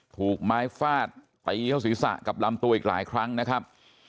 ถูกไม้ฟาดตีเข้าศีรษะกับลำตัวอีกหลายครั้งนะครับ